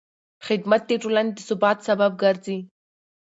خدمت د ټولنې د ثبات سبب ګرځي.